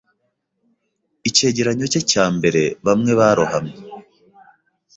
Icyegeranyo cye cya mbere Bamwe Barohamye